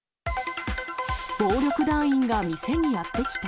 暴力団員が店にやって来た？